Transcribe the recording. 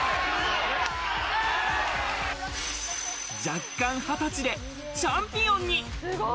弱冠２０歳でチャンピオンに。